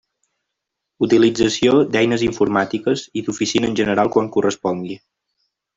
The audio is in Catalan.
Utilització d'eines informàtiques i d'oficina en general quan correspongui.